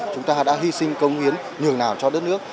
chúng ta đã hy sinh công hiến nhường nào cho đất nước